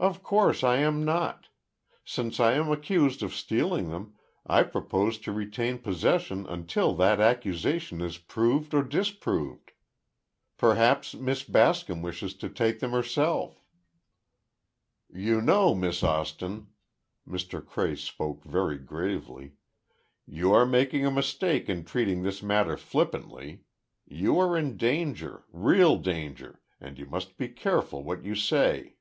"Of course I am not! Since I am accused of stealing them, I propose to retain possession until that accusation is proved or disproved! Perhaps Miss Bascom wishes to take them herself." "You know, Miss Austin," Mr. Cray spoke very gravely, "you are making a mistake in treating this matter flippantly. You are in danger—real danger, and you must be careful what you say.